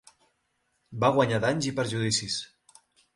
Va guanyar danys i perjudicis.